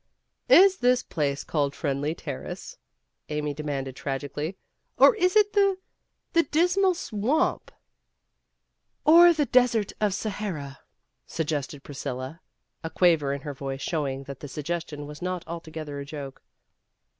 "Is this place called Friendly Terrace?' Amy demanded tragically, "Or is it the the Dismal Swamp." "Or the desert of Sahara." suggested Pris 324 PEGGY EAYMOND'S WAY cilia, a quaver in her voice showing that the suggestion was not altogether a joke.